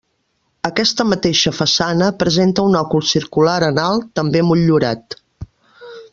Aquesta mateixa façana presenta un òcul circular en alt, també motllurat.